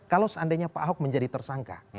kalau seandainya pak ahok menjadi tersangka